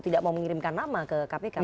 tidak mau mengirimkan nama ke kpk